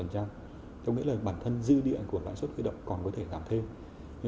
có nghĩa là bản thân dư địa của lãi suất huy động còn có thể giảm thêm